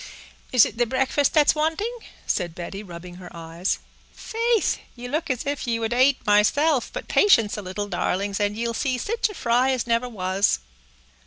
"Is it the breakfast that's wanting?" said Betty, rubbing her eyes. "Faith, ye look as if ye would ate myself—but patience, a little, darlings, and ye'll see sich a fry as never was."